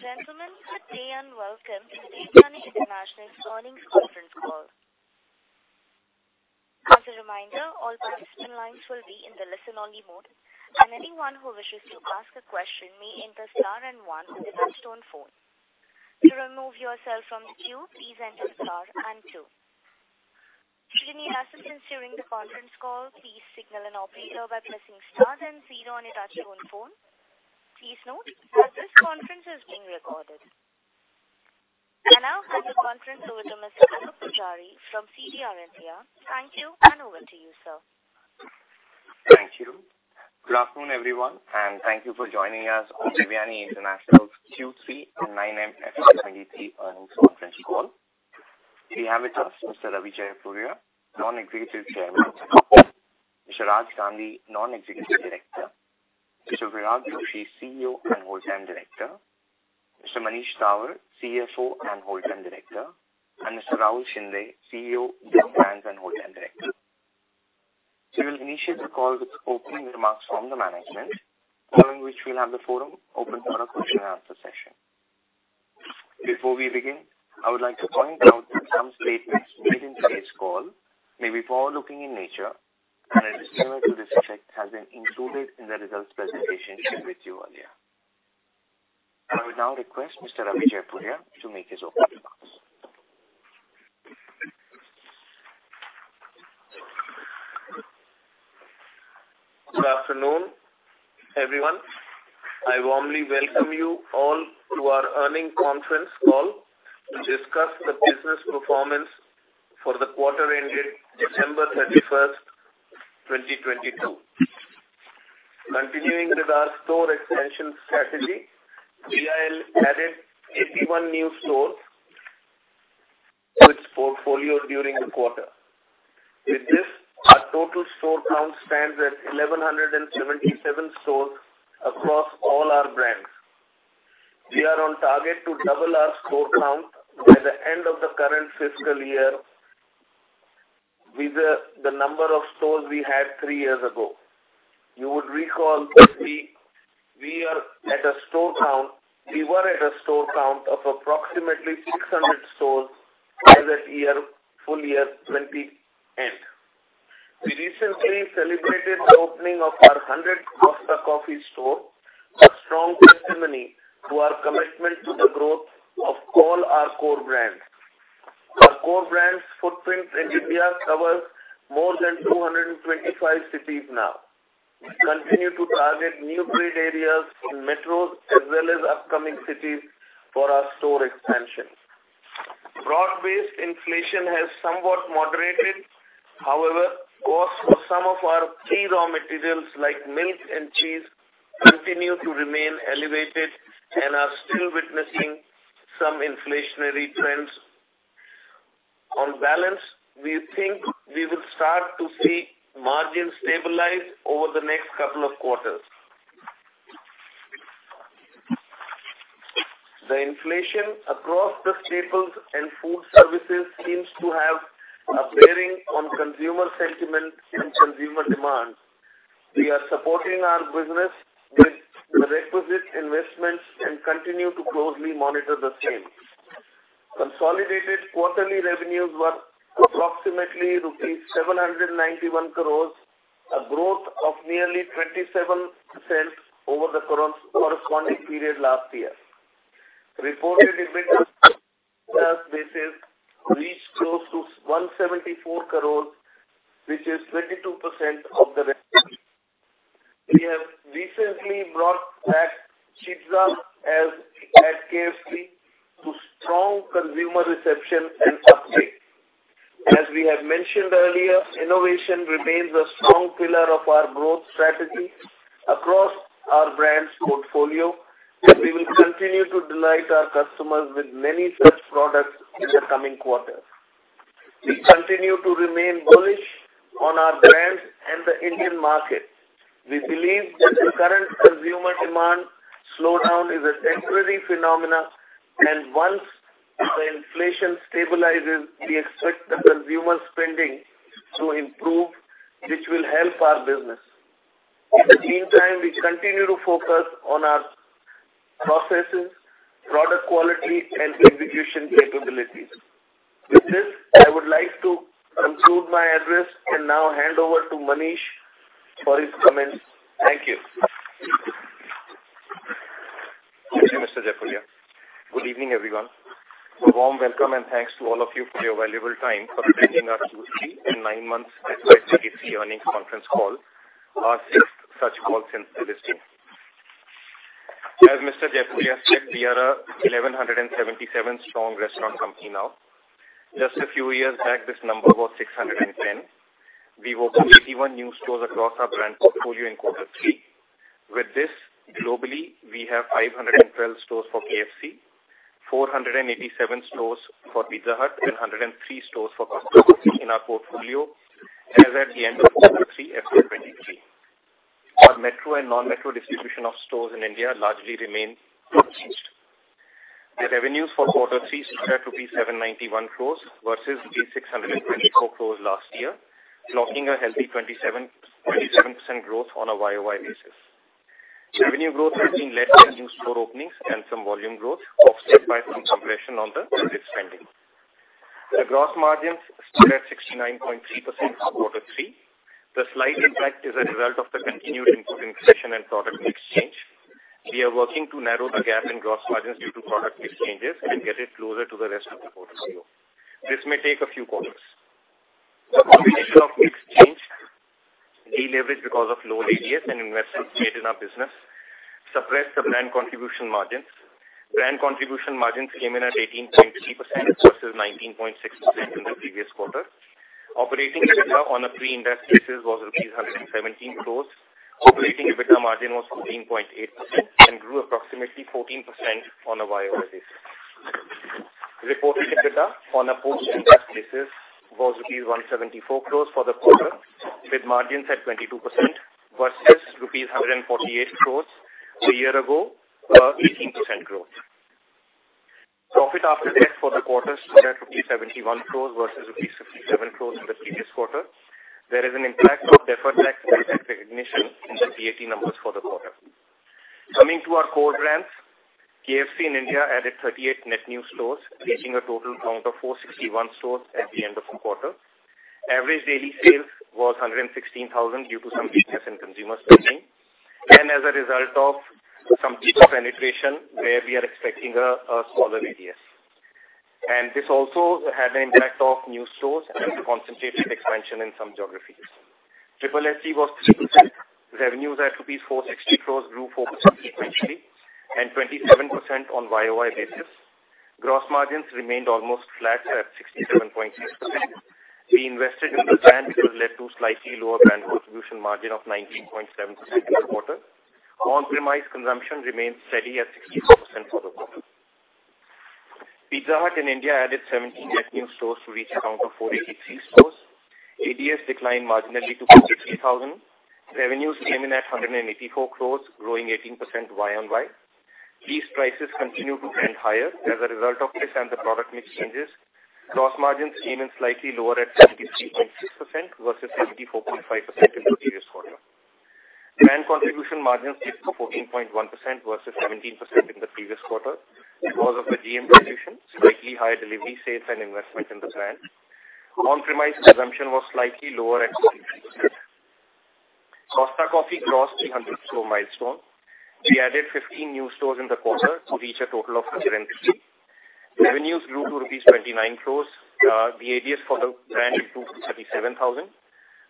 Gentlemen, good day. Welcome to Devyani International's Earnings Conference Call. As a reminder, all participant lines will be in the listen-only mode, and anyone who wishes to ask a question may enter star and one on the touchtone phone. To remove yourself from the queue, please enter star and two. If you need assistance during the conference call, please signal an operator by pressing star then zero on your touchtone phone. Please note that this conference is being recorded. I now hand the conference over to Mr. Siddharth Pujari from CDR India. Thank you. Over to you, sir. Thank you. Good afternoon, everyone, and thank you for joining us on Devyani International's Q3 and nine months FY23 earnings conference call. We have with us Mr. Ravi Jaipuria, Non-Executive Chairman, Mr. Raj Gandhi, Non-Executive Director, Mr. Virag Joshi, CEO and Whole-Time Director, Mr. Manish Dawar, CFO and Whole-Time Director, and Mr. Rahul Shinde, CEO, Yum! Brands & Whole-Time Director. We'll initiate the call with opening remarks from the management, following which we'll have the forum open for a question-and-answer session. Before we begin, I would like to point out that some statements made in today's call may be forward-looking in nature, and a disclaimer to this effect has been included in the results presentation shared with you earlier. I would now request Mr. Ravi Jaipuria to make his opening remarks. Good afternoon, everyone. I warmly welcome you all to our earnings conference call to discuss the business performance for the quarter ended December 31st, 2022. Continuing with our store expansion strategy, we have added 81 new stores to its portfolio during the quarter. With this, our total store count stands at 1,177 stores across all our brands. We are on target to double our store count by the end of the current fiscal year with the number of stores we had three years ago. You would recall that we were at a store count of approximately 600 stores as at FY2020 end. We recently celebrated the opening of our 100th Costa Coffee store, a strong testimony to our commitment to the growth of all our core brands. Our core brands footprint in India covers more than 225 cities now. We continue to target new grid areas in metros as well as upcoming cities for our store expansion. Broad-based inflation has somewhat moderated. Costs for some of our key raw materials like milk and cheese continue to remain elevated and are still witnessing some inflationary trends. On balance, we think we will start to see margins stabilize over the next couple of quarters. The inflation across the staples and food services seems to have a bearing on consumer sentiment and consumer demand. We are supporting our business with the requisite investments and continue to closely monitor the same. Consolidated quarterly revenues were approximately rupees 791 crores, a growth of nearly 27% over the corresponding period last year. Reported EBITDA basis reached close to 174 crores, which is 22% of the revenue. We have recently brought back Chizza at KFC to strong consumer reception and uptake. As we have mentioned earlier, innovation remains a strong pillar of our growth strategy across our brands portfolio. We will continue to delight our customers with many such products in the coming quarters. We continue to remain bullish on our brands and the Indian market. We believe that the current consumer demand slowdown is a temporary phenomenon. Once the inflation stabilizes, we expect the consumer spending to improve, which will help our business. In the meantime, we continue to focus on our processes, product quality, and execution capabilities. With this, I would like to conclude my address and now hand over to Manish for his comments. Thank you. Thank you, Mr. Jaipuria. Good evening, everyone. A warm welcome and thanks to all of you for your valuable time for attending our Q3 and nine months FY2023 earnings conference call, our sixth such call since listing. As Mr. Jaipuria said, we are a 1,177 strong restaurant company now. Just a few years back, this number was 610. We opened 81 new stores across our brand portfolio in quarter three. With this, globally, we have 512 stores for KFC, 487 stores for Pizza Hut, and 103 stores for Costa in our portfolio as at the end of quarter three, FY2023. Our metro and non-metro distribution of stores in India largely remain unchanged. The revenues for quarter three stood at rupees 791 crores versus the rupees 624 crores last year, blocking a healthy 27% growth on a YoY basis. Revenue growth has been led by new store openings and some volume growth, offset by some compression on the ticket spending. The gross margins stood at 69.3% for quarter three. The slight impact is a result of the continued input inflation and product mix change. We are working to narrow the gap in gross margins due to product mix changes and get it closer to the rest of the quarter two. This may take a few quarters. The combination of mix change, deleverage because of lower ADS and investments made in our business suppressed the brand contribution margins. Brand contribution margins came in at 18.3% versus 19.6% in the previous quarter. Operating EBITDA on a pre-interest basis was INR 117 crores. Operating EBITDA margin was 14.8% and grew approximately 14% on a YoY basis. Reported EBITDA on a post-interest basis was rupees 174 crores for the quarter, with margins at 22% versus rupees 148 crores a year ago, 18% growth. Profit after tax for the quarter stood at rupees 71 crores versus rupees 67 crores in the previous quarter. There is an impact of deferred tax benefit recognition in the PAT numbers for the quarter. Coming to our core brands, KFC in India added 38 net new stores, reaching a total count of 461 stores at the end of the quarter. Average daily sales was 116,000 due to some weakness in consumer spending and as a result of some digital penetration where we are expecting a smaller ADS. This also had an impact of new stores and concentrated expansion in some geographies. SSSG was 3%. Revenues at rupees 460 crores grew 4% sequentially and 27% on YoY basis. Gross margins remained almost flat at 67.6%. We invested in the brand, which led to slightly lower brand contribution margin of 19.7% this quarter. On-premise consumption remained steady at 64% for the quarter. Pizza Hut in India added 17 net new stores to reach a count of 483 stores. ADS declined marginally to 33,000. Revenues came in at 184 crores, growing 18% Y on Y. Piece prices continued to trend higher. As a result of this and the product mix changes, gross margins came in slightly lower at 73.6% versus 74.5% in the previous quarter. Brand contribution margins dipped to 14.1% versus 17% in the previous quarter because of the GM dilution, slightly higher delivery sales and investment in the brand. On-premise consumption was slightly lower at 60%. Costa Coffee crossed 300 store milestone. We added 15 new stores in the quarter to reach a total of 150. Revenues grew to rupees 29 crores. The ADS for the brand improved to 37,000.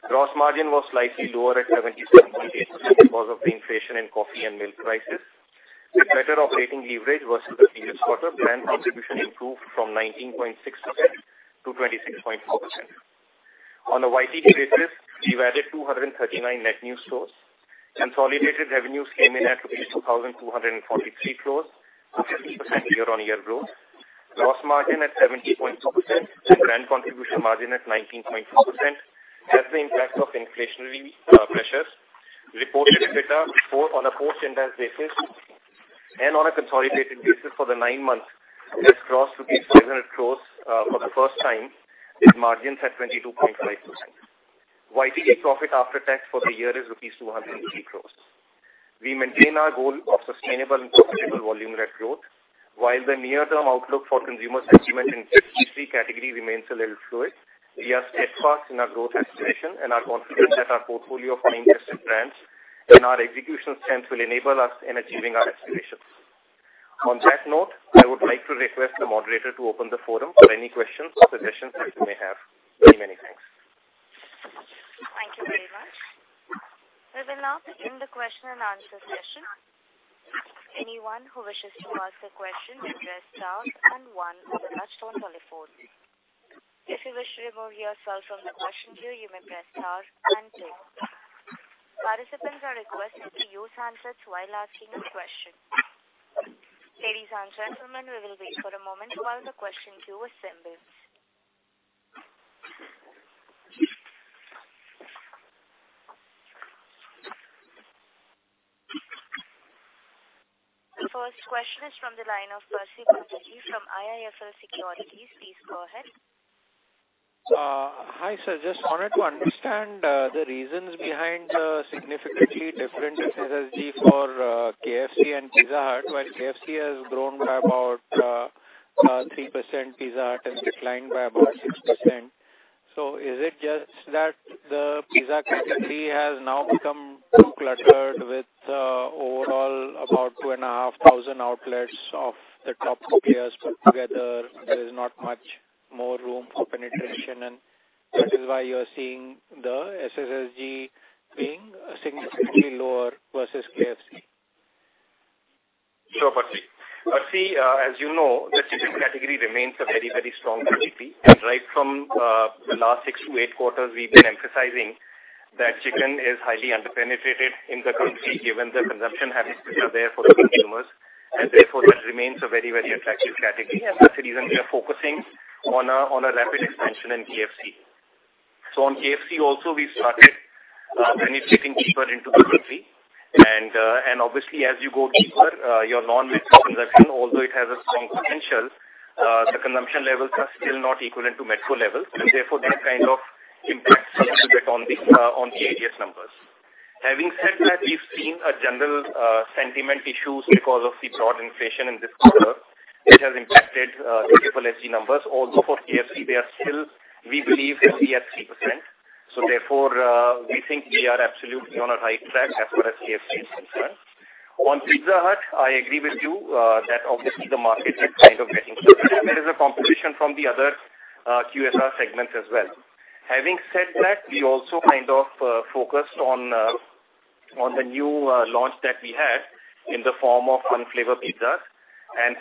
Gross margin was slightly lower at 77.8% because of the inflation in coffee and milk prices. With better operating leverage versus the previous quarter, brand contribution improved from 19.6% to 26.4%. On a YTD basis, we've added 239 net new stores. Consolidated revenues came in at 2,243 crores, with 50% year-on-year growth. Gross margin at 17.2% and brand contribution margin at 19.2% have the impact of inflationary pressures. Reported EBITDA on a pro forma basis and on a consolidated basis for the nine months has crossed 700 crores for the first time, with margins at 22.5%. YTD profit after tax for the year is rupees 203 crores. We maintain our goal of sustainable and profitable volume led growth. While the near-term outlook for consumer sentiment in Q3 category remains a little fluid, we are steadfast in our growth aspiration and are confident that our portfolio of high interest brands and our execution strength will enable us in achieving our aspirations. On that note, I would like to request the moderator to open the forum for any questions or suggestions that you may have. Thank you very much. Thank you very much. We will now begin the question-and-answer session. Anyone who wishes to ask a question may press star and one on the touchtone telephone. If you wish to remove yourself from the question queue, you may press star and two. Participants are requested to use handsets while asking a question. Ladies and gentlemen, we will wait for a moment while the question queue assembles. The first question is from the line of Percy Panthaki from IIFL Securities. Please go ahead. Hi, sir. Just wanted to understand the reasons behind the significantly different SSG for KFC and Pizza Hut. While KFC has grown by about 3%, Pizza Hut has declined by about 6%. Is it just that the pizza category has now become too cluttered with overall about 2,500 outlets of the top two players put together? There is not much more room for penetration. That is why you're seeing the SSG being significantly lower versus KFC. Sure, Percy. Percy, as you know, the chicken category remains a very, very strong category. Right from the last 6 to 8 quarters, we've been emphasizing that chicken is highly under-penetrated in the country, given the consumption habits which are there for the consumers. Therefore it remains a very, very attractive category. That's the reason we are focusing on a rapid expansion in KFC. On KFC also we started penetrating deeper into the country. Obviously as you go deeper, your non-meat consumption, although it has a strong potential, the consumption levels are still not equivalent to metro levels and therefore that kind of impacts a little bit on the ADS numbers. Having said that, we've seen a general sentiment issues because of the broad inflation in this quarter. It has impacted the KFC numbers although for KFC they are still we believe healthy at 3%. Therefore, we think we are absolutely on a right track as far as KFC is concerned. On Pizza Hut, I agree with you, that obviously the market is kind of getting saturated. There is a competition from the other QSR segments as well. Having said that, we also kind of focused on the new launch that we had in the form of Fun Flavour pizzas.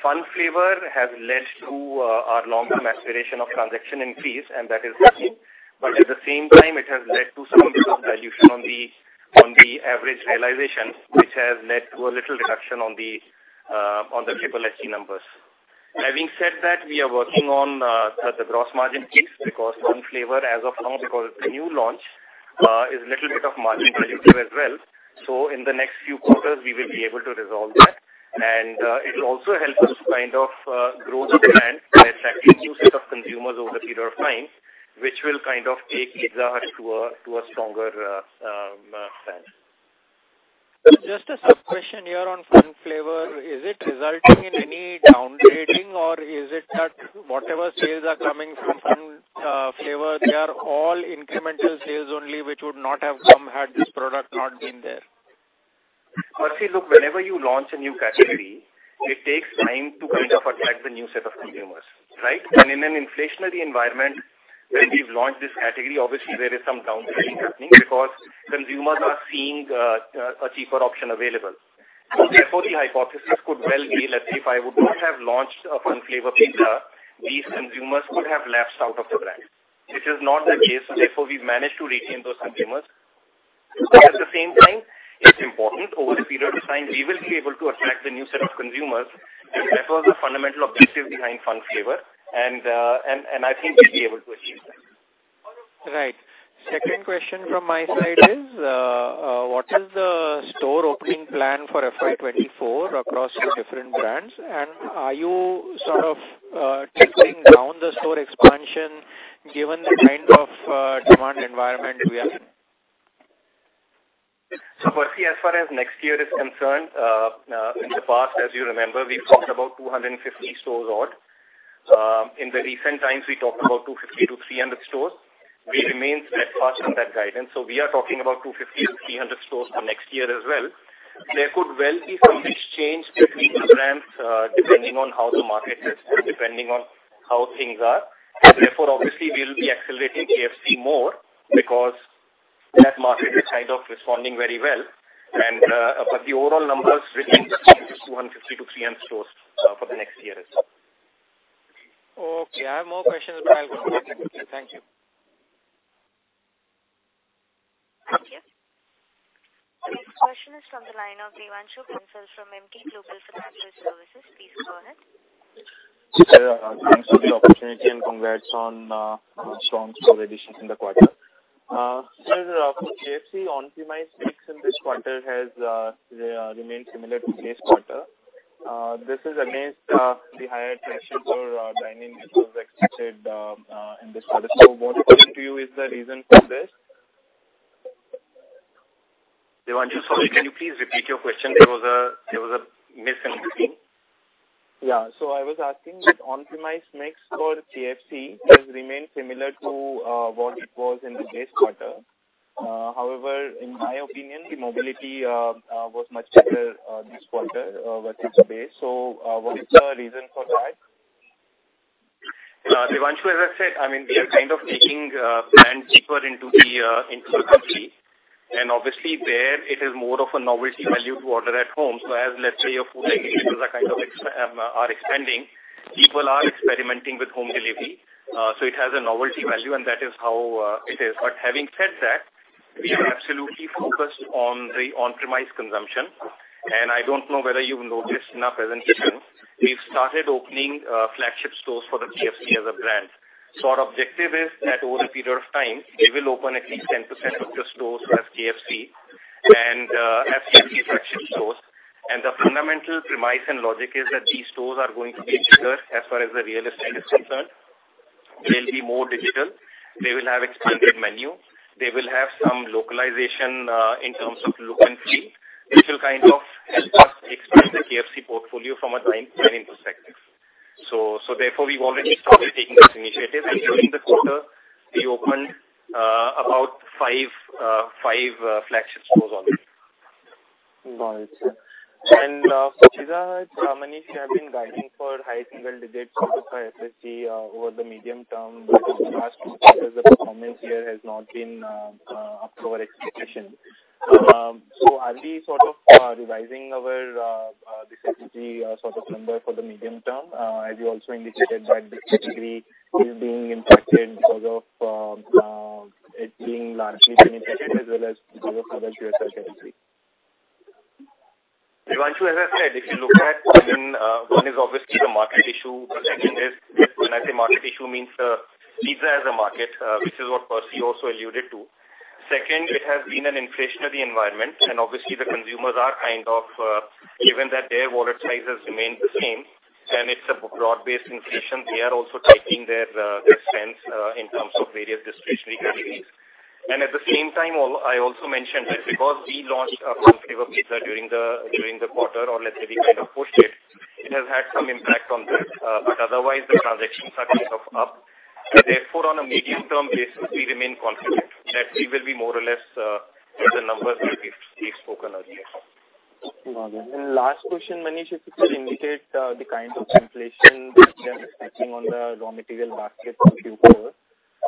Fun Flavour has led to our long-term aspiration of transaction increase, and that is working. At the same time, it has led to some little dilution on the, on the average realization, which has led to a little reduction on the KFC numbers. Having said that, we are working on the gross margin case because Fun Flavour as of now, because it's a new launch, is little bit of margin dilutive as well. In the next few quarters we will be able to resolve that. It'll also help us kind of grow the brand by attracting new set of consumers over the period of time, which will kind of take Pizza Hut to a stronger stand. Just a sub-question here on Fun Flavour. Is it resulting in any downgrading or is it that whatever sales are coming from Fun Flavour, they are all incremental sales only which would not have come had this product not been there? See, look, whenever you launch a new category, it takes time to kind of attract the new set of consumers, right? In an inflationary environment, when we've launched this category, obviously there is some downgrading happening because consumers are seeing a cheaper option available. Therefore, the hypothesis could well be that if I would not have launched a Fun Flavour pizza, these consumers could have lapsed out of the brand, which is not the case and therefore we've managed to retain those consumers. At the same time, it's important over the period of time we will be able to attract the new set of consumers and therefore the fundamental objective behind Fun Flavour and I think we'll be able to achieve that. Right. Second question from my side is, what is the store opening plan for FY24 across your different brands? Are you sort of tickling down the store expansion given the kind of demand environment we are in? Firstly, as far as next year is concerned, in the past, as you remember, we've talked about 250 stores odd. In the recent times we talked about 250-300 stores. We remain steadfast on that guidance. We are talking about 250-300 stores for next year as well. There could well be some mix change between the brands, depending on how the market sits and depending on how things are. Therefore obviously we'll be accelerating KFC more because that market is kind of responding very well. The overall numbers remains the same, 250-300 stores for the next year as well. Okay. I have more questions, but I'll come back. Thank you. Thank you. The next question is from the line of Devanshu Bansal from Emkay Global Financial Services. Please go ahead. Sir, thanks for the opportunity and congrats on strong store additions in the quarter. Sir, for KFC on-premise mix in this quarter has remained similar to this quarter. This is amidst the higher pressures for dining as was expected in this quarter. What according to you is the reason for this? Devanshu, sorry, can you please repeat your question? There was a miss in between. Yeah. I was asking that on-premise mix for KFC has remained similar to what it was in the base quarter. However, in my opinion, the mobility was much better this quarter versus base. What is the reason for that? Devanshu, as I said, I mean, we are kind of taking brands deeper into the country, and obviously there it is more of a novelty value to order at home. As let's say your food individuals are kind of expanding, people are experimenting with home delivery. It has a novelty value and that is how it is. Having said that, we are absolutely focused on the on-premise consumption. I don't know whether you've noticed in our presentation, we've started opening flagship stores for the KFC as a brand. Our objective is that over a period of time, we will open at least 10% of the stores as KFC and as KFC flagship stores. The fundamental premise and logic is that these stores are going to be bigger as far as the real estate is concerned. They'll be more digital. They will have expanded menu. They will have some localization in terms of look and feel, which will kind of help us expand the KFC portfolio from a dining perspective. Therefore we've already started taking those initiatives. During the quarter we opened about 5 flagship stores only. Got it, sir. For Pizza Hut, how many you have been guiding for high single digits sort of for SSG over the medium term because in the last two quarters the performance here has not been up to our expectation. Are we sort of revising our this SSG sort of number for the medium term? As you also indicated that this category is being impacted because of it being largely penetrated as well as because of other QSR. Devanshu, as I said, if you look at, I mean, one is obviously the market issue. The second is. When I say market issue means, Pizza as a market, which is what Percy also alluded to. Second, it has been an inflationary environment, and obviously the consumers are kind of, given that their wallet sizes remain the same and it's a broad-based inflation, they are also tightening their spends, in terms of various discretionary categories. At the same time, I also mentioned that because we launched a competitive pizza during the, during the quarter or let's say we kind of pushed it has had some impact on that. Otherwise the transactions are kind of up. On a medium-term basis, we remain confident that we will be more or less, with the numbers that we've spoken earlier. Okay. Last question, Manish, if you could indicate, the kinds of inflation that you are expecting on the raw material basket in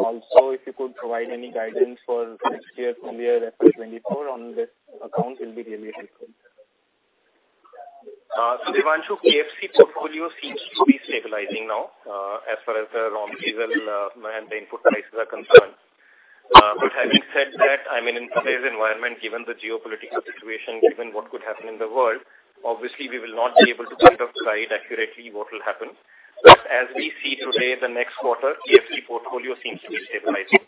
future. If you could provide any guidance for next year, full year FY24 on this account will be really helpful. Devanshu, KFC portfolio seems to be stabilizing now, as far as the raw material and the input prices are concerned. Having said that, I mean, in today's environment, given the geopolitical situation, given what could happen in the world, obviously we will not be able to kind of guide accurately what will happen. As we see today, the next quarter, KFC portfolio seems to be stabilizing.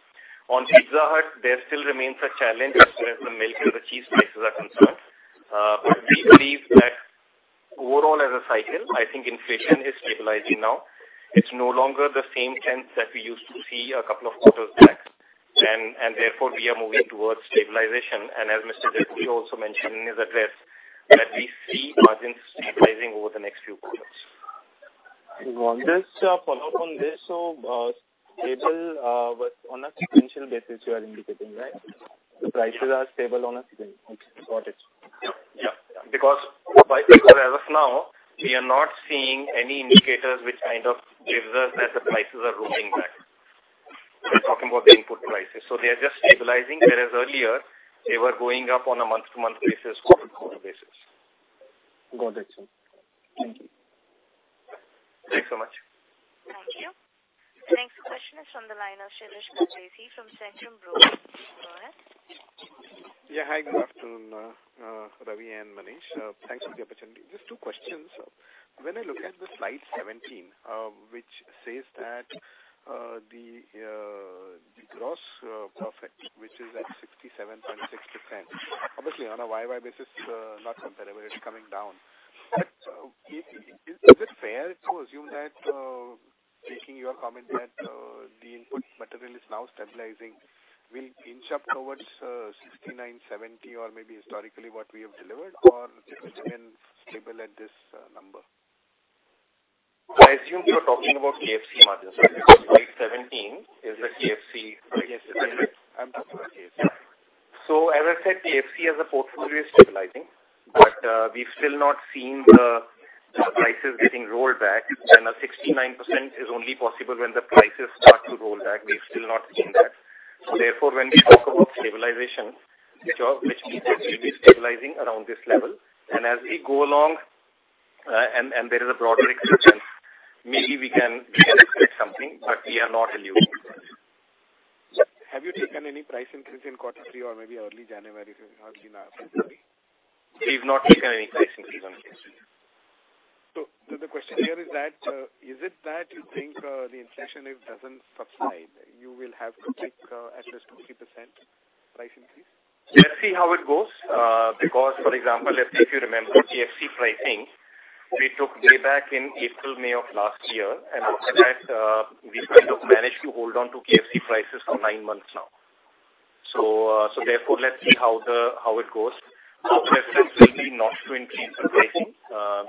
On Pizza Hut, there still remains a challenge as far as the milk and the cheese prices are concerned. We believe that overall as a cycle, I think inflation is stabilizing now. It's no longer the same trends that we used to see a couple of quarters back. Therefore, we are moving towards stabilization. As Mr. Dawar also mentioned in his address, that we see margins stabilizing over the next few quarters. Just a follow-up on this. Stable on a sequential basis you are indicating, right? The prices are stable on a sequential. Got it. Yeah. Yeah. As of now we are not seeing any indicators which kind of gives us that the prices are rolling back. We're talking about the input prices. They are just stabilizing, whereas earlier they were going up on a month-to-month basis, quarter-to-quarter basis. Got it, sir. Thank you. Thanks so much. Thank you. The next question is from the line of Shirish Pardeshi from Centrum Broking. Go ahead. Yeah. Hi, good afternoon, Ravi and Manish. Thanks for the opportunity. Just two questions. When I look at the slide 17, which says that, the gross profit, which is at 67.6%, obviously on a YoY basis, not comparable, it's coming down. Is it fair to assume that, taking your comment that, the input material is now stabilizing, we'll inch up towards 69, 70 or maybe historically what we have delivered or it will again stable at this number? I assume you're talking about KFC margins, right? Because slide 17 is the KFC. Yes. I'm talking about KFC. So as I said, KFC as a portfolio is stabilizing, but we've still not seen the prices getting rolled back. And a 69% is only possible when the prices start to roll back. We've still not seen that. So therefore, when we talk about stabilization, which means that we'll be stabilizing around this level. And as we go along, and there is a broader exception, maybe we can expect something, but we are not alluding to that. Have you taken any price increase in quarter three or maybe early January 15 as in now? We've not taken any price increase on KFC. The question here is that, is it that you think, the inflation if doesn't subside, you will have to take, at least 2%, 3% price increase? Let's see how it goes. Because for example, let's say if you remember KFC pricing, we took payback in April, May of last year, and after that, we kind of managed to hold on to KFC prices for nine months now. Therefore, let's see how it goes. Our preference will be not to increase the pricing,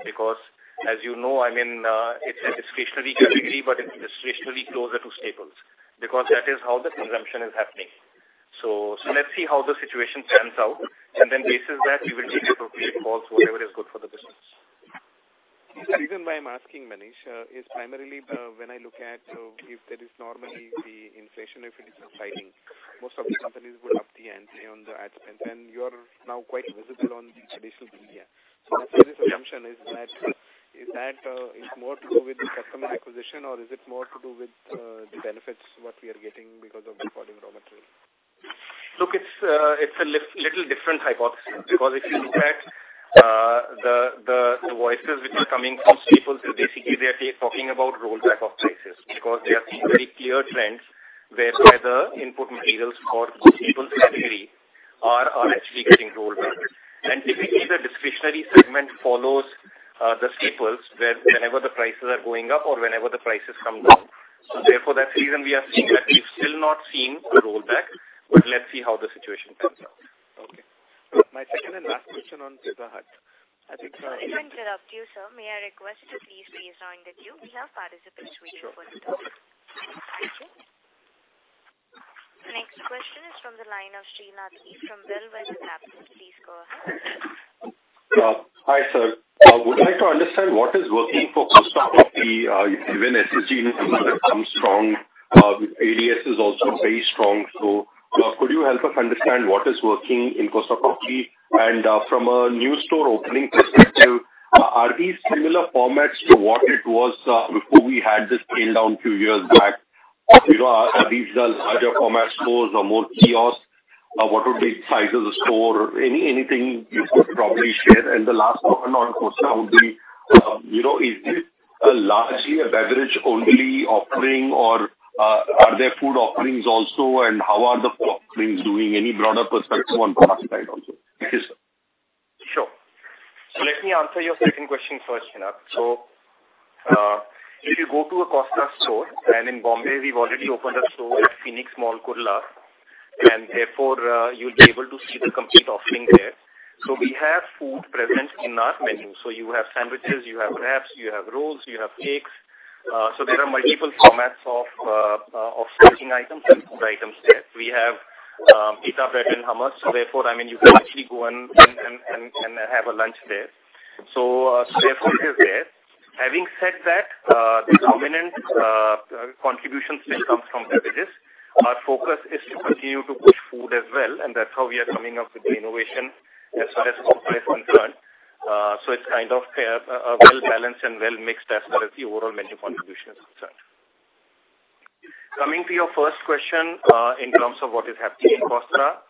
because as you know, I mean, it's a discretionary category, but it's discretionary closer to staples because that is how the consumption is happening. Let's see how the situation pans out, and then basis that we will take appropriate calls, whatever is good for the business. The reason why I'm asking, Manish, is primarily, when I look at, if there is normally the inflation, if it is subsiding, most of the companies would up the ante on the ad spend, and you are now quite visible on traditional media. My previous assumption is that, is more to do with the customer acquisition or is it more to do with the benefits what we are getting because of the falling raw material? Look, it's a little different hypothesis because if you look at the voices which are coming from staples is basically they're talking about rollback of prices because they are seeing very clear trends whereby the input materials for staples category are actually getting rolled back. Typically the discretionary segment follows the staples where whenever the prices are going up or whenever the prices come down. Therefore, that's the reason we are seeing that we've still not seen a rollback, but let's see how the situation pans out. Okay. My second and last question on Pizza Hut. Before I interrupt you, sir, may I request to please stay on the queue. We have participants waiting for you. Sure. Thank you. The next question is from the line of Srinath Vasan from Bellwether Capital. Please go ahead. Hi, sir. Would like to understand what is working for Costa Coffee, even SSG numbers have come strong. ADS is also very strong. Could you help us understand what is working in Costa Coffee? From a new store opening perspective, are these similar formats to what it was before we had this scale down few years back? You know, are these the larger format stores or more kiosks? What would be the size of the store? Anything you could probably share. The last one on Costa would be, you know, is this largely a beverage-only offering or are there food offerings also, and how are the food offerings doing? Any broader perspective on product side also? Thank you, sir. Sure. Let me answer your second question first, Srinath. If you go to a Costa store, and in Bombay we've already opened a store at Phoenix Mall, Kurla, and therefore, you'll be able to see the complete offering there. We have food present in our menu. You have sandwiches, you have wraps, you have rolls, you have cakes. There are multiple formats of snacking items and food items there. We have pita bread and hummus, therefore, I mean, you can actually go and have a lunch there. Therefore it is there. Having said that, the dominant contribution still comes from beverages. Our focus is to continue to push food as well, and that's how we are coming up with the innovation as far as Costa is concerned. It's kind of a well-balanced and well-mixed as far as the overall menu contribution is concerned. Coming to your first question, in terms of what is happening in Costa.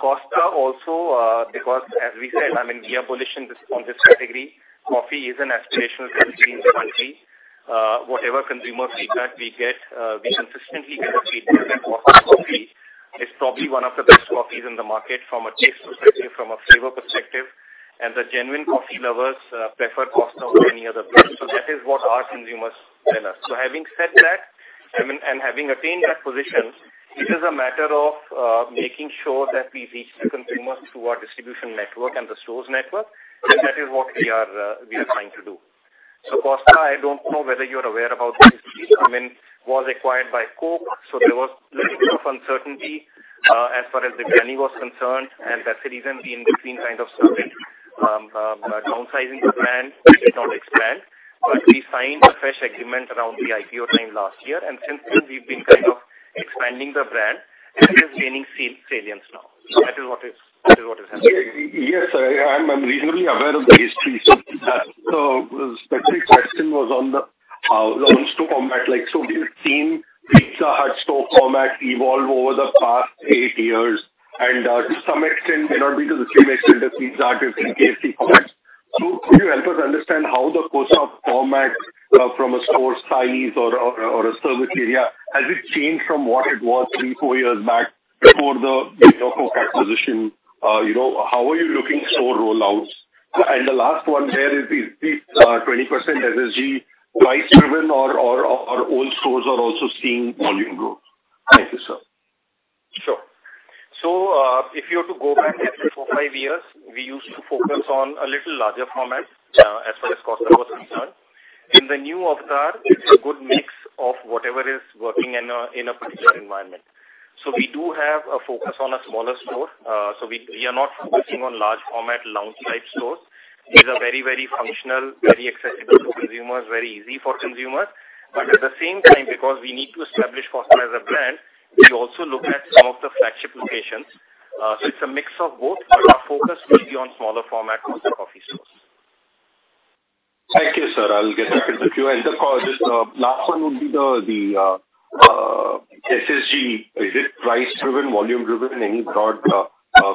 Costa also, because as we said, I mean, we are bullish in this, on this category. Coffee is an aspirational drink in this country. Whatever consumer feedback we get, we consistently get a feedback that Costa Coffee is probably one of the best coffees in the market from a taste perspective, from a flavor perspective. The genuine coffee lovers, prefer Costa over any other brand. That is what our consumers tell us. Having said that, I mean, and having attained that position, it is a matter of, making sure that we reach the consumers through our distribution network and the stores network. That is what we are, we are trying to do. Costa, I don't know whether you're aware about the history. I mean, was acquired by Coke, there was little bit of uncertainty as far as the journey was concerned, that's the reason we in between kind of sort of downsizing the brand, we did not expand. We signed a fresh agreement around the IPO time last year, since then we've been kind of expanding the brand and it is gaining salience now. That is what is happening. Yes, I am reasonably aware of the history. The specific question was on the launch format, like so we've seen Pizza Hut store format evolve over the past 8 years. To some extent, may not be to the same extent as Pizza Hut or KFC format. Could you help us understand how the Costa format, from a store size or, or a service area, has it changed from what it was three, four years back before the bigger Coke acquisition? You know, how are you looking store rollouts? The last one here is the 20% SSG price driven or, or old stores are also seeing volume growth? Thank you, sir. Sure. If you were to go back history four, five years, we used to focus on a little larger format, as far as Costa was concerned. In the new avatar, it's a good mix of whatever is working in a, in a particular environment. We do have a focus on a smaller store. We, we are not focusing on large format lounge type stores. These are very, very functional, very accessible to consumers, very easy for consumers. At the same time, because we need to establish Costa as a brand, we also look at some of the flagship locations. It's a mix of both. Our focus will be on smaller format Costa Coffee stores. Thank you, sir. I'll get back to you. The call, just, last one would be the SSG. Is it price driven, volume driven? Any broad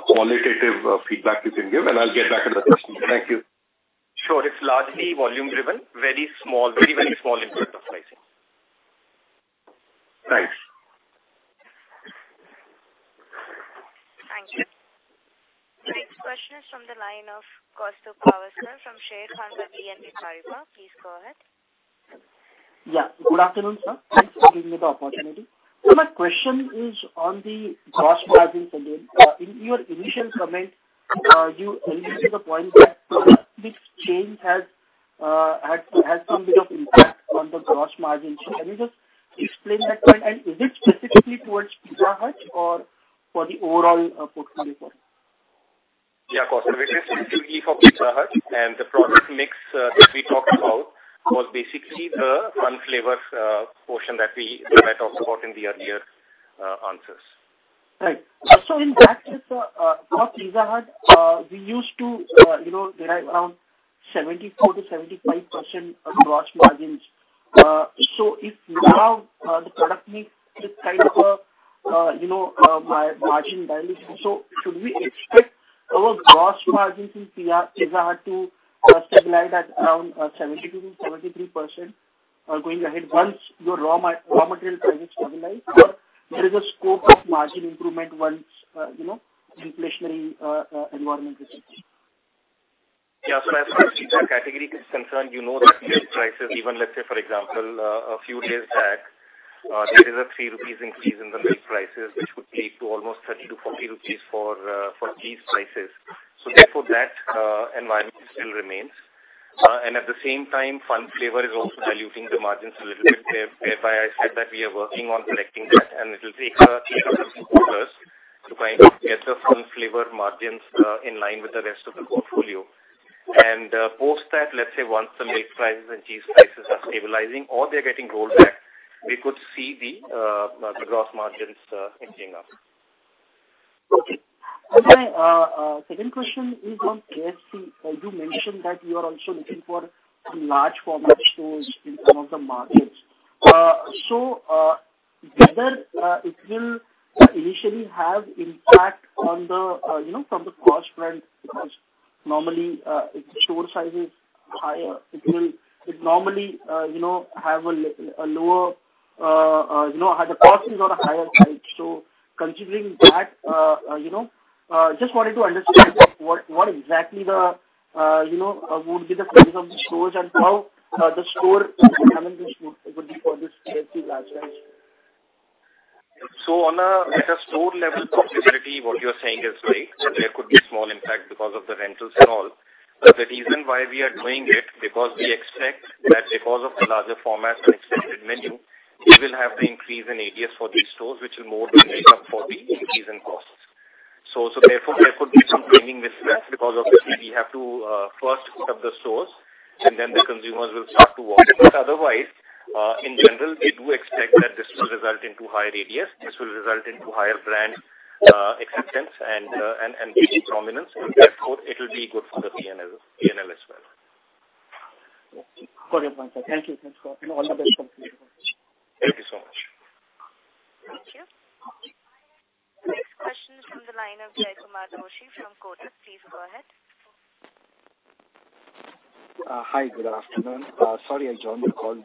qualitative feedback you can give, and I'll get back to the question. Thank you. Sure. It's largely volume driven. Very small, very, very small impact of pricing. Thanks. Thank you. Next question is from the line of Kaustubh Pawaskar from Sharekhan by BNP Paribas. Please go ahead. Good afternoon, sir. Thanks for giving me the opportunity. My question is on the gross margins again. In your initial comment, you alluded to the point that product mix change has had some bit of impact on the gross margin. Can you just explain that point? Is it specifically towards Pizza Hut or for the overall portfolio? Yeah, of course. It is specifically for Pizza Hut. The product mix that we talked about was basically the Fun Flavour portion that I talked about in the earlier answers. Right. In that case, for Pizza Hut, we used to, you know, derive around 74%-75% of gross margins. If now, the product mix is kind of a, you know, a bi-margin dilutive, should we expect our gross margins in Pizza Hut to stabilize at around 72%-73% going ahead once your raw material prices stabilize? Or there is a scope of margin improvement once, you know, inflationary environment recedes? Yeah. As far as Pizza Hut category is concerned, you know that milk prices even let's say for example, a few days back, there is a 3 rupees increase in the milk prices, which would lead to almost 30-40 rupees for cheese prices. Therefore that environment still remains. At the same time, Fun Flavour is also diluting the margins a little bit, whereby I said that we are working on correcting that, and it'll take three to six quarters to kind of get the Fun Flavour margins in line with the rest of the portfolio. Post that, let's say once the milk prices and cheese prices are stabilizing or they're getting rolled back, we could see the gross margins inching up. Okay. My, second question is on KFC. You mentioned that you are also looking for some large format stores in some of the markets. Whether it will initially have impact on the, you know, from the cost front, because normally, if the store size is higher, it normally, you know, have a lower, you know, the cost is on a higher side. Considering that, you know, just wanted to understand what exactly the, you know, would be the size of the stores and how the store economics would be for this KFC large size? At a store level profitability, what you're saying is right. There could be small impact because of the rentals and all. The reason why we are doing it, because we expect that because of the larger format and extended menu, we will have the increase in ADS for these stores, which will more than make up for the increase in costs. Therefore there could be some training mismatch because obviously we have to first put up the stores and then the consumers will start to walk in. Otherwise, in general, we do expect that this will result into higher ADS, this will result into higher brand acceptance and reach and prominence, and therefore it will be good for the P&L as well. Okay. Got your point, sir. Thank you. Thanks for all your best Thank you so much. Thank you. Next question is from the line of Jaykumar Doshi from Kotak. Please go ahead. Hi, good afternoon. Sorry, I joined the call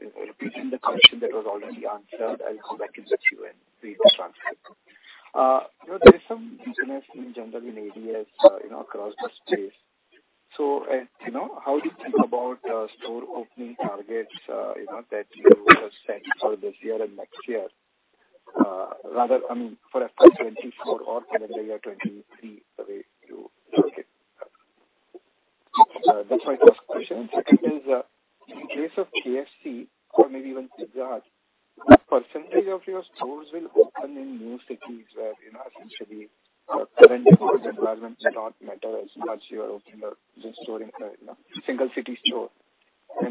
repeating the question that was already answered. I'll go back and let you and read the transcript. You know, there is some weakness in general in ADS, you know, across the space. You know, how do you think about store opening targets, you know, that you have set for this year and next year? Rather, I mean, for FY2024 or calendar year 2023, the way you look it. That's my first question. In case of KFC or maybe even Pizza Hut, what percentage of your stores will open in new cities where, you know, essentially environment does not matter as much you are opening a new store in a, you know, single city store?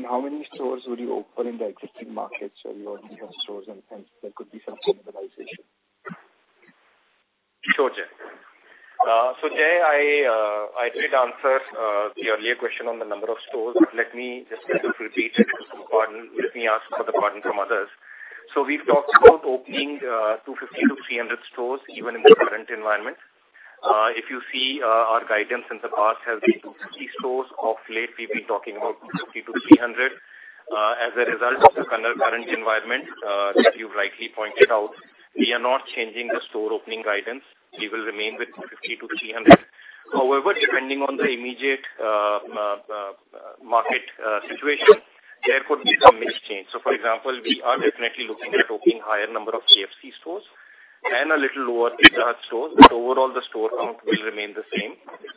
How many stores would you open in the existing markets where you already have stores and there could be some cannibalization? Sure, Jay. Jay, I did answer the earlier question on the number of stores. Let me just repeat it. Pardon. Let me ask for the pardon from others. We've talked about opening 250-300 stores even in the current environment. If you see, our guidance in the past has been 250 stores. Of late we've been talking about 250-300. As a result of the current environment that you've rightly pointed out, we are not changing the store opening guidance. We will remain with 250-300. However, depending on the immediate market situation, there could be some mix change. For example, we are definitely looking at opening higher number of KFC stores and a little lower Pizza Hut stores, but overall the store count will remain the same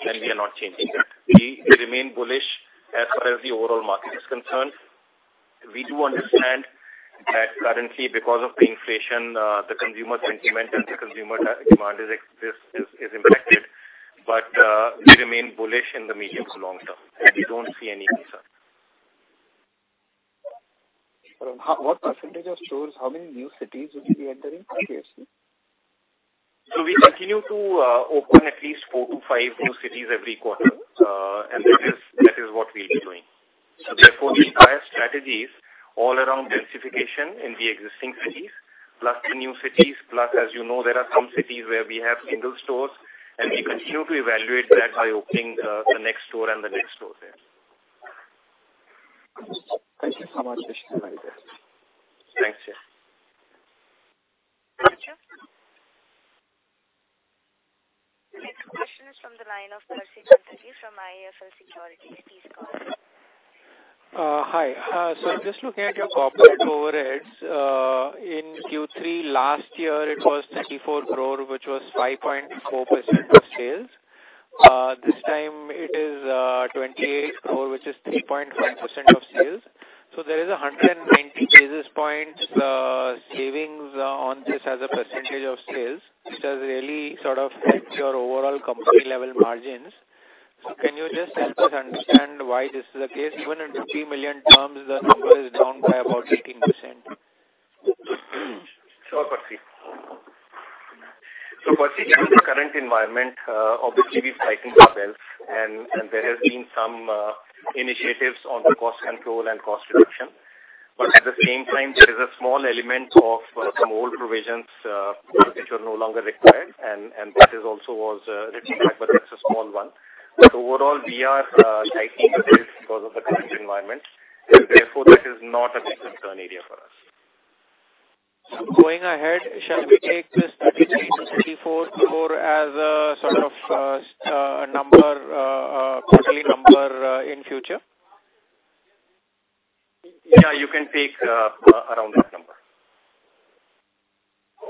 and we are not changing that. We remain bullish as far as the overall market is concerned. We do understand that currently because of the inflation, the consumer sentiment and the consumer demand is impacted, but we remain bullish in the medium to long term, and we don't see any reason. How, what percentage of stores, how many new cities would you be entering for KFC? We continue to open at least four to five new cities every quarter. That is what we'll be doing. Therefore the entire strategy is all around densification in the existing cities, plus the new cities, plus, as you know, there are some cities where we have single stores, and we continue to evaluate that by opening the next store and the next store there. Thank you so much. Thanks, Jay. Thank you. Next question is from the line of Percy Panthaki from IIFL Securities. Please go ahead. Hi. I'm just looking at your corporate overheads. In Q3 last year it was 34 crore, which was 5.4% of sales. This time it is 28 crore, which is 3.5% of sales. There is a 190 basis points savings on this as a percentage of sales, which has really sort of hit your overall company level margins. Can you just help us understand why this is the case? Even in million terms, the number is down by about 18%. Sure, Percy. Percy given the current environment, obviously we're tightening our belt and there has been some initiatives on the cost control and cost reduction. At the same time, there is a small element of some old provisions, which are no longer required and that is also was written back, but that's a small one. Overall, we are tightening the belt because of the current environment. Therefore, this is not a big concern area for us. Going ahead, shall we take this 33 crore-34 crore as a sort of, number, quarterly number, in future? Yeah, you can take, around that number.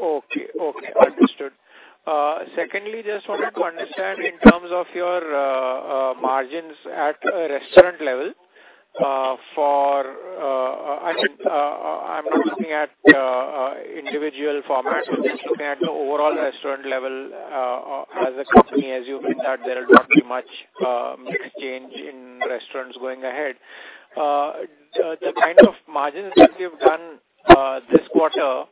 Okay. Okay. Understood. Secondly, just wanted to understand in terms of your margins at a restaurant level, for, I mean, I'm not looking at individual formats. I'm just looking at the overall restaurant level as a company, assuming that there will not be much change in restaurants going ahead. The kind of margins that you've done this quarter,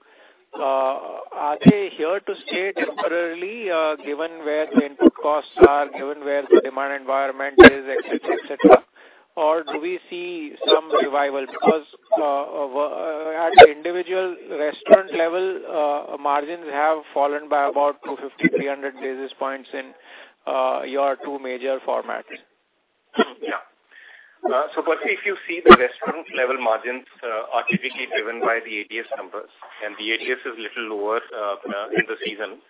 are they here to stay temporarily, given where the input costs are, given where the demand environment is, et cetera, et cetera? Or do we see some revival? Because at individual restaurant level, margins have fallen by about 250, 300 basis points in your two major formats. Firstly, if you see the restaurant level margins are typically driven by the ADS numbers, and the ADS is little lower in the season,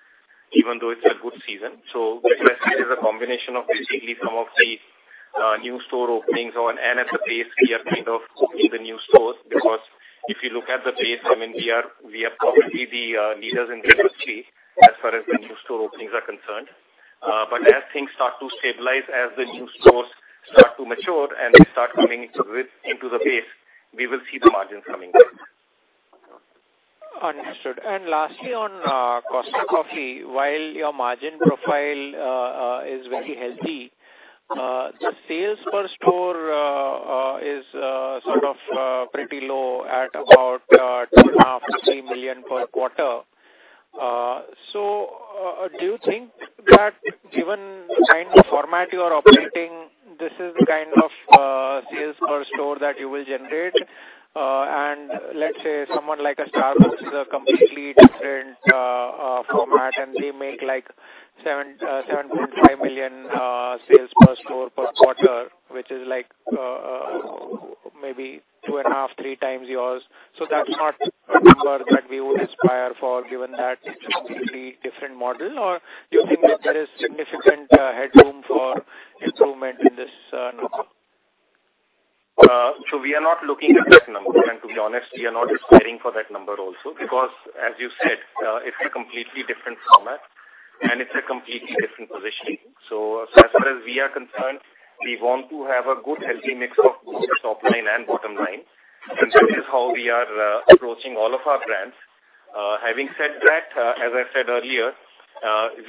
even though it's a good season. It is a combination of basically some of the new store openings on, and at the base, we are kind of opening the new stores because if you look at the base, I mean, we are probably the leaders in the industry as far as the new store openings are concerned. As things start to stabilize, as the new stores start to mature and start coming into the, into the base, we will see the margins coming back. Understood. Lastly, on Costa Coffee, while your margin profile is very healthy, the sales per store is, sort of, pretty low at about 2.5 million-3 million per quarter. Do you think that given the kind of format you are operating, this is the kind of sales per store that you will generate? Let's say someone like a Starbucks is a completely different format, and they make like 7 million-7.5 million sales per store per quarter, which is like maybe 2.5x-3x yours. That's not a number that we would aspire for, given that it's a completely different model or do you think that there is significant headroom for improvement in this number? We are not looking at that number. To be honest, we are not aspiring for that number also, because as you said, it's a completely different format and it's a completely different positioning. As far as we are concerned, we want to have a good, healthy mix of both top line and bottom line, and that is how we are approaching all of our brands. Having said that, as I said earlier,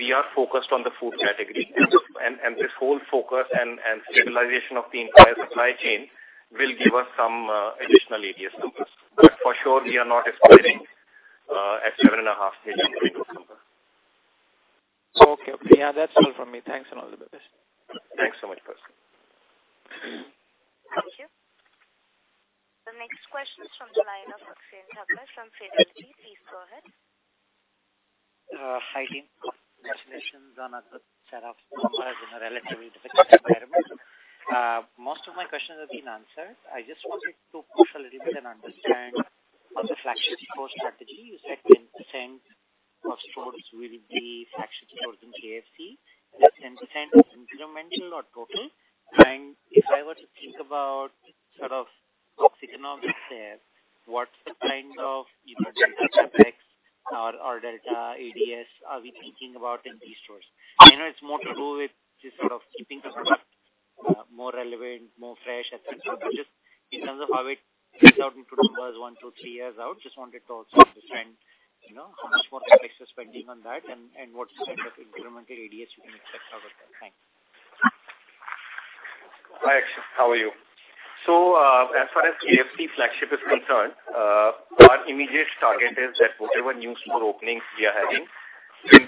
we are focused on the food category. This whole focus and stabilization of the entire supply chain will give us some additional ADS numbers. For sure, we are not aspiring at 7.5 million revenue number. Okay. Yeah, that's all from me. Thanks a lot, Manish. Thanks so much, Percy. Thank you. The next question is from the line of Akshen Thakkar from Fidelity. Please go ahead. Hi team. Congratulations on a good set of numbers in a relatively difficult environment. Most of my questions have been answered. I just wanted to push a little bit and understand on the flagship store strategy. You said 10% of stores will be flagship stores in KFC. Is 10% incremental or total? And if I were to think about sort of economics there, what's the kind of incremental CapEx or delta ADS are we thinking about in these stores? I know it's more to do with just sort of keeping the product, more relevant, more fresh, et cetera. But just in terms of how it plays out into numbers one to three years out, just wanted to also understand, you know, how much more CapEx you're spending on that and what sort of incremental ADS you can expect out of that. Thanks. Hi, Akshen. How are you? As far as KFC flagship is concerned, our immediate target is that whatever new store openings we are having, 10%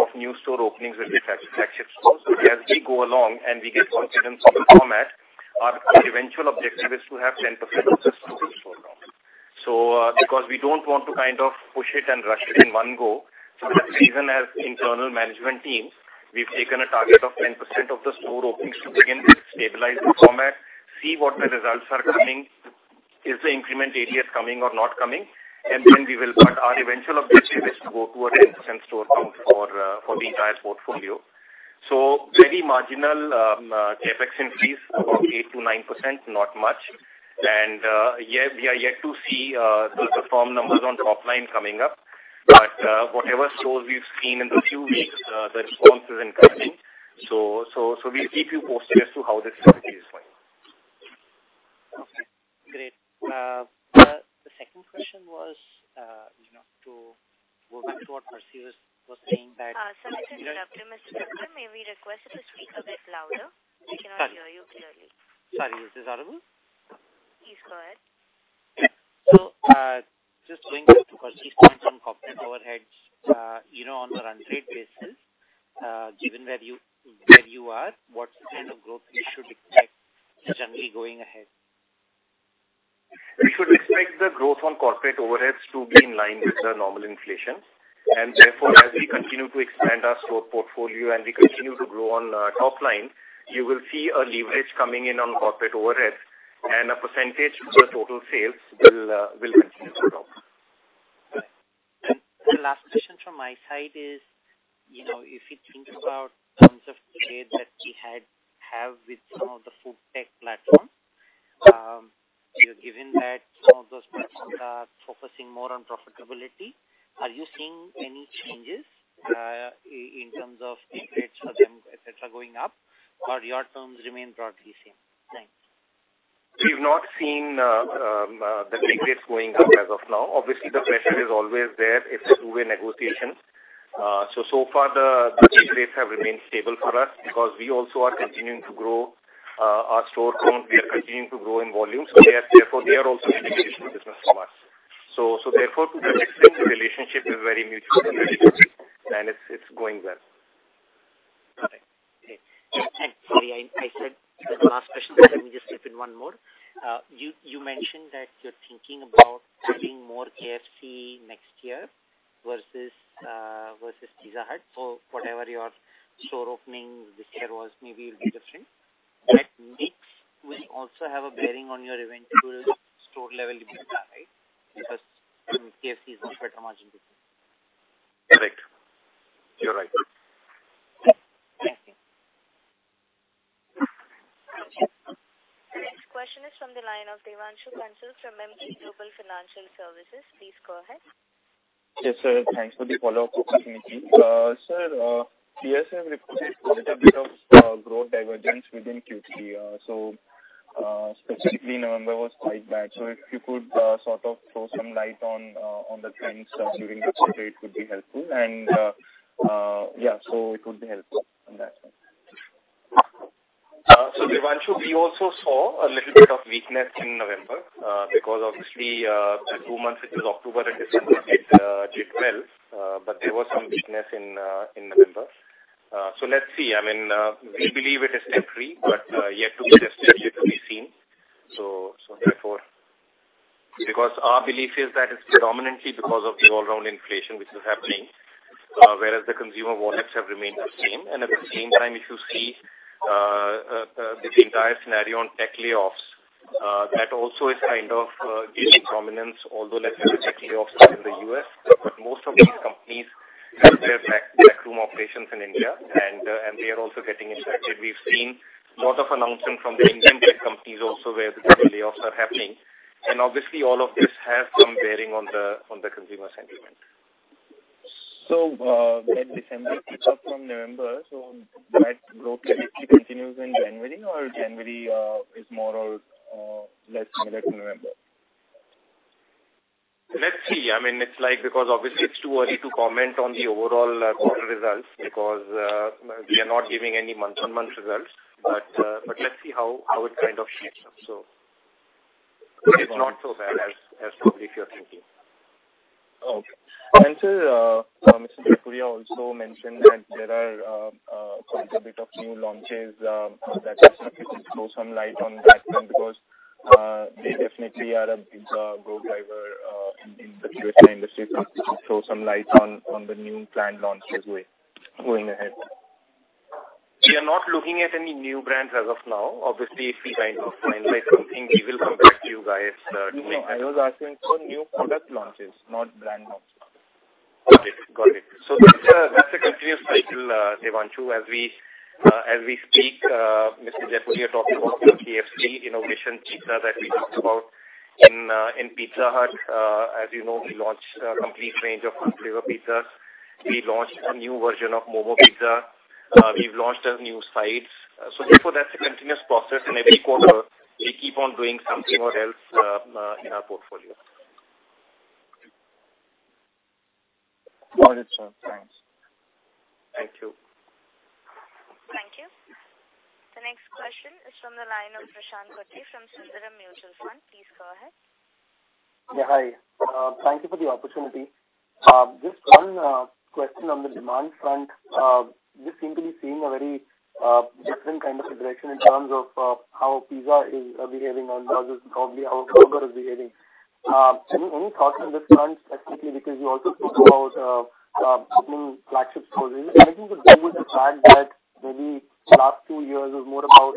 of new store openings will be flagship stores. As we go along and we get confidence on the format, our eventual objective is to have 10% of the store count. Because we don't want to kind of push it and rush it in one go. That's even as internal management team, we've taken a target of 10% of the store openings to begin with, stabilize the format, see what the results are coming, is the increment ADS coming or not coming, and then we will... Our eventual objective is to go toward 10% store count for the entire portfolio. Very marginal CapEx increase of 8%-9%, not much. Yeah, we are yet to see the perform numbers on top line coming up. Whatever stores we've seen in the few weeks, the response is encouraging. We'll keep you posted as to how this strategy is going. Okay, great. The second question was, you know, to go back to what Percy was saying. Sorry to interrupt you, Mr. Thakkar. May we request you to speak a bit louder? We cannot hear you clearly. Sorry. Is this audible? Please go ahead. Just going through to Percy's point on corporate overheads, you know, on a run rate basis, given where you, where you are, what kind of growth we should expect generally going ahead? We should expect the growth on corporate overheads to be in line with the normal inflation. As we continue to expand our store portfolio and we continue to grow on top line, you will see a leverage coming in on corporate overheads and a percentage of the total sales will continue to drop. The last question from my side is, you know, if you think about terms of trade that we have with some of the food tech platforms, you know, given that some of those platforms are focusing more on profitability, are you seeing any changes in terms of take rates for them, et cetera, going up or your terms remain broadly same? Thanks. We've not seen the link rates going up as of now. Obviously, the pressure is always there. It's through a negotiation. So far the link rates have remained stable for us because we also are continuing to grow our store count. We are continuing to grow in volume, so therefore, they are also getting additional business from us. Therefore, to that extent, the relationship is very mutual in that regard, and it's going well. Got it. Okay. Sorry, I said the last question, but let me just slip in one more. You mentioned that you're thinking about adding more KFC next year versus versus Pizza Hut. Whatever your store opening this year was, maybe it'll be different. That mix will also have a bearing on your eventual store level EBITDA, right? Because KFC is a better margin business. Correct. You're right. Thank you. The next question is from the line of Devanshu Bansal from Emkay Global Financial Services. Please go ahead. Yes, sir. Thanks for the follow-up opportunity. Sir, KFC reported a little bit of growth divergence within Q3. Specifically November was quite bad. If you could sort of throw some light on the trends during that period would be helpful. It would be helpful on that front. Devanshu, we also saw a little bit of weakness in November because obviously, the two months, which was October and December, it did well, but there was some weakness in November. Let's see. I mean, we believe it is temporary, but yet to be tested, yet to be seen. Our belief is that it's predominantly because of the all-round inflation which is happening, whereas the consumer wallets have remained the same. At the same time, if you see this entire scenario on tech layoffs, that also is kind of gaining prominence, although let's say the tech layoffs are in the U.S., but most of these companies have their backroom operations in India, and they are also getting impacted. We've seen lot of announcement from the Indian tech companies also where these tech layoffs are happening. Obviously, all of this has some bearing on the consumer sentiment. Where December picked up from November, so that growth likely continues in January or January, is more or less similar to November? Let's see. I mean, it's like because obviously it's too early to comment on the overall quarter results because we are not giving any month-on-month results. Let's see how it kind of shapes up. It's not so bad as probably you're thinking. Okay. sir, Mr. Jaipuria also mentioned that there are quite a bit of new launches, that if you could throw some light on that front because they definitely are a big growth driver in the QSR industry. If you could throw some light on the new planned launches way going ahead. We are not looking at any new brands as of now. Obviously, if we kind of finalize something, we will come back to you guys. No, I was asking for new product launches, not brand launches. Got it. Got it. That's a continuous cycle, Devanshu. As we, as we speak, Mr. Jaipuria talking about the KFC innovation pizza that we talked about in Pizza Hut. As you know, we launched a complete range of Fun Flavour pizzas. We launched a new version of Momo Mia. We've launched new sides. Therefore, that's a continuous process. In every quarter we keep on doing something or else in our portfolio. Got it, sir. Thanks. Thank you. Thank you. The next question is from the line of Prashant Kutty from Sundaram Mutual Fund. Please go ahead. Yeah, hi. Thank you for the opportunity. Just one question on the demand front. We seem to be seeing a very different kind of direction in terms of how pizza is behaving and versus probably how burger is behaving. Any thoughts on this front specifically because you also spoke about opening flagship stores. Is it anything to do with the fact that maybe last two years was more about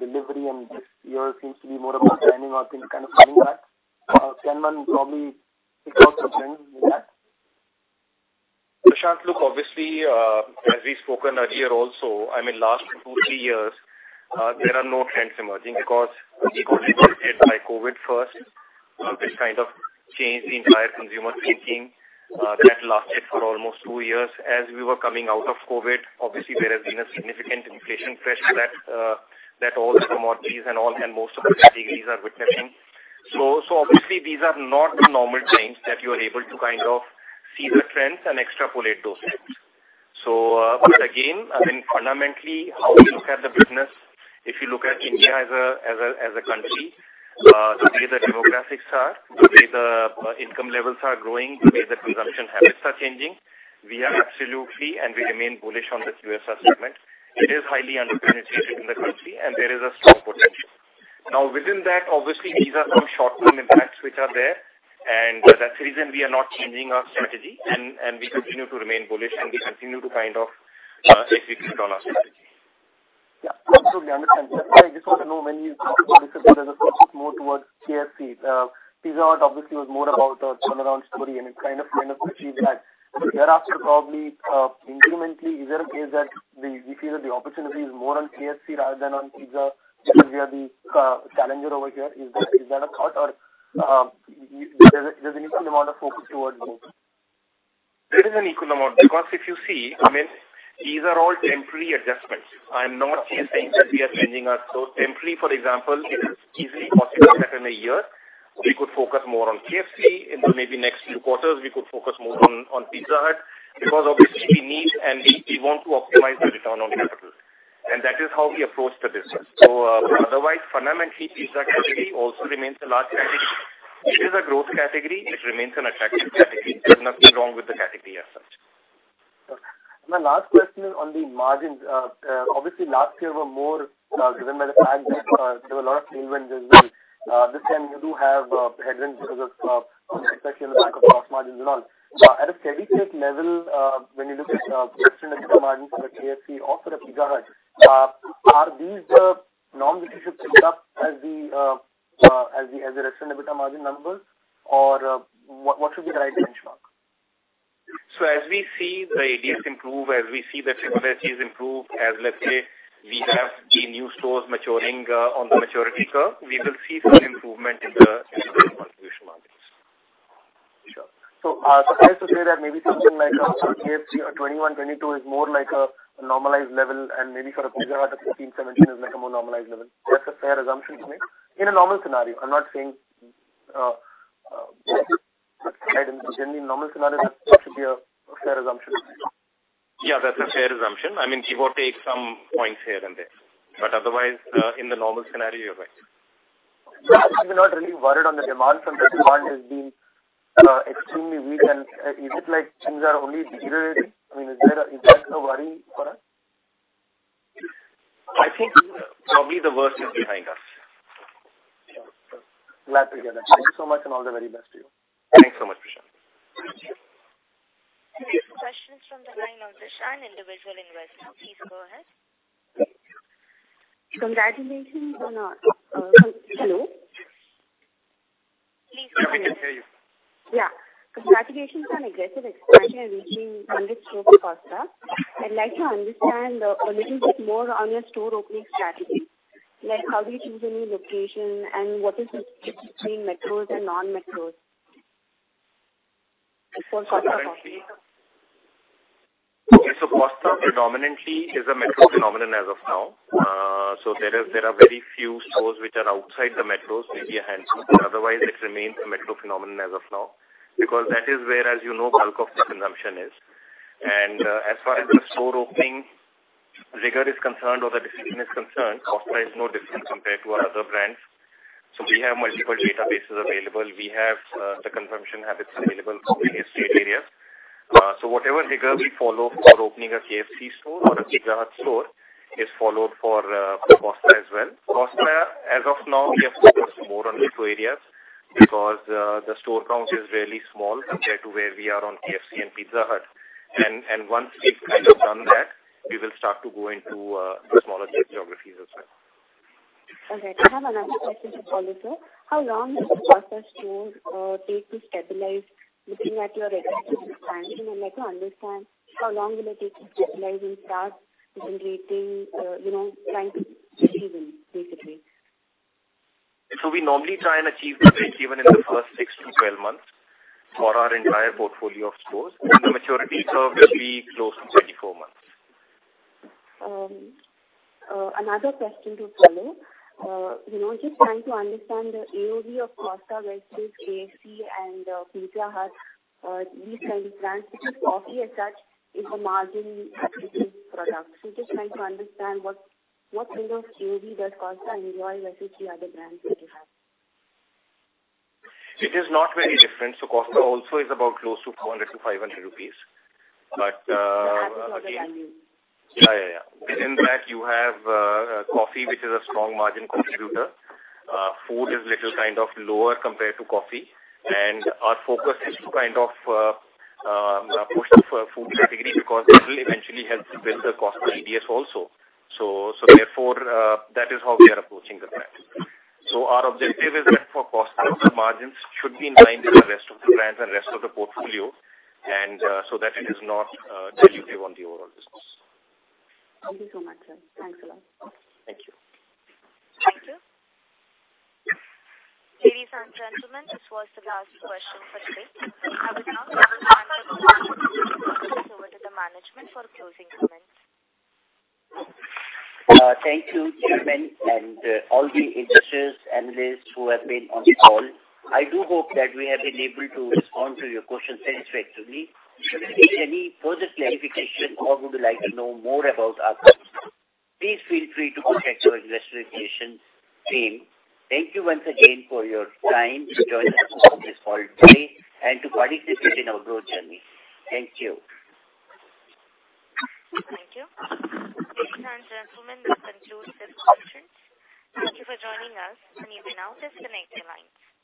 delivery and this year seems to be more about dining or things kind of coming back? Can one probably pick out some trends with that? Prashant, look, obviously, as we've spoken earlier also, I mean, last two, three years, there are no trends emerging because we got impacted by COVID first. This kind of changed the entire consumer thinking. That lasted for almost two years. As we were coming out of COVID, obviously there has been a significant inflation pressure that all commodities and all and most of the categories are witnessing. Obviously these are not the normal times that you are able to kind of see the trends and extrapolate those trends. But again, I mean fundamentally how we look at the business, if you look at India as a country, the way the demographics are, the way the income levels are growing, the way the consumption habits are changing, we are absolutely and we remain bullish on the QSR segment. It is highly underpenetrated in the country and there is a strong potential. Within that, obviously these are some short-term impacts which are there and that's the reason we are not changing our strategy and we continue to remain bullish and we continue to kind of execute on our strategy. Yeah, absolutely understand. I just want to know when you talk about this as a focus more towards KFC. Pizza Hut obviously was more about a turnaround story and it kind of achieved that. Thereafter probably, incrementally is there a case that you feel that the opportunity is more on KFC rather than on Pizza because we are the challenger over here? Is that a thought or there's an equal amount of focus towards both? It is an equal amount because if you see, I mean, these are all temporary adjustments. I'm not saying that we are changing our. Temporarily, for example, it is easily possible that in a year we could focus more on KFC. In the maybe next few quarters, we could focus more on Pizza Hut because obviously we need and we want to optimize the return on capital, and that is how we approach the business. Otherwise fundamentally Pizza category also remains a large category. It is a growth category. It remains an attractive category. There's nothing wrong with the category as such. My last question is on the margins. Obviously, last year were more driven by the fact that there were a lot of tailwinds as well. This time you do have headwinds because of especially in the lack of gross margins and all. At a steady-state level, when you look at margin for the KFC or for the Pizza Hut, are these the norms which you should pick up as the as the as the rest of the EBITDA margin numbers or what should be the right benchmark? As we see the ADS improve, as we see the frequency is improved, as let's say we have the new stores maturing, on the maturity curve, we will see some improvement in the contribution margins. Sure. Fair to say that maybe something like KFC or 21%-22% is more like a normalized level and maybe for a Pizza Hut a 15%-17% is like a more normalized level. That's a fair assumption to make in a normal scenario. I'm not saying, generally in normal scenario that should be a fair assumption. Yeah, that's a fair assumption. I mean, give or take some points here and there, otherwise, in the normal scenario, you're right. You're not really worried on the demand from Pizza Hut has been extremely weak and is it like things are only deteriorating? I mean, is that a worry for us? I think probably the worst is behind us. Sure. Glad to hear that. Thank you so much and all the very best to you. Thanks so much, Prashant. Thank you. Next question is from the line of Zishan, individual investor. Please go ahead. Congratulations on. Hello. Please go ahead. We can hear you. Yeah. Congratulations on aggressive expansion and reaching 100 stores for Costa. I'd like to understand a little bit more on your store opening strategy. Like how do you choose a new location and what is the difference between metros and non-metros? It's for Costa Coffee. Okay. Costa predominantly is a metro phenomenon as of now. There is, there are very few stores which are outside the metros, maybe a handful, but otherwise it remains a metro phenomenon as of now because that is where, as you know, bulk of the consumption is. As far as the store opening rigor is concerned or the discipline is concerned, Costa is no different compared to our other brands. We have multiple databases available. We have the consumption habits available for various trade areas. Whatever rigor we follow for opening a KFC store or a Pizza Hut store is followed for Costa as well. Costa as of now, we have focused more on metro areas because the store count is really small compared to where we are on KFC and Pizza Hut. Once we've kind of done that, we will start to go into the smaller geographies as well. All right. I have another question to follow, sir. How long does the Costa store take to stabilize looking at your aggressive plans? I mean, I'd like to understand how long will it take to stabilize and start generating, you know, trying to achieve them basically. We normally try and achieve the breakeven in the first six to 12 months for our entire portfolio of stores. The maturity curve will be close to 24 months. Another question to follow. You know, just trying to understand the AOV of Costa versus KFC and Pizza Hut, these three brands because coffee as such is a margin-rich product. Just trying to understand what kind of AOV does Costa enjoy versus the other brands that you have? It is not very different. Costa also is about close to 400-500 rupees. The average order value. Yeah. Within that you have coffee, which is a strong margin contributor. Food is little kind of lower compared to coffee. Our focus is to kind of push the food category because it will eventually help build the Costa ADS also. Therefore, that is how we are approaching the brand. Our objective is that for Costa also margins should be in line with the rest of the brands and rest of the portfolio and so that it is not dilutive on the overall business. Thank you so much, sir. Thanks a lot. Thank you. Thank you. Ladies and gentlemen, this was the last question for today. I would now like to hand over the conference over to the management for closing comments. Thank you, chairman and all the investors, analysts who have been on the call. I do hope that we have been able to respond to your questions satisfactorily. Should you need any further clarification or would like to know more about our company, please feel free to contact your investor relations team. Thank you once again for your time to join us on this call today and to participate in our growth journey. Thank you. Thank you. Ladies and gentlemen, this concludes this conference. Thank you for joining us and you may now disconnect your lines.